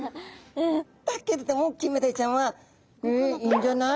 だけれどもキンメダイちゃんは「えっ？いいんじゃない？